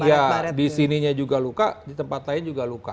iya di sininya juga luka di tempat lain juga luka